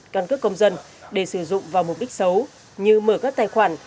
căn cước công dân để sử dụng vào mục đích xấu như mở các tài khoản